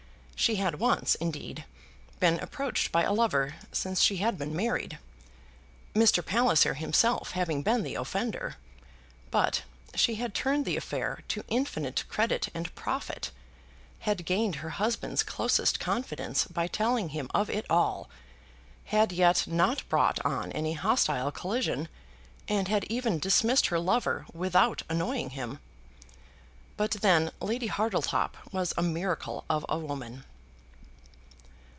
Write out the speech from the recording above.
She had once, indeed, been approached by a lover since she had been married, Mr. Palliser himself having been the offender, but she had turned the affair to infinite credit and profit, had gained her husband's closest confidence by telling him of it all, had yet not brought on any hostile collision, and had even dismissed her lover without annoying him. But then Lady Hartletop was a miracle of a woman!